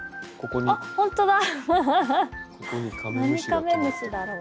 何カメムシだろう？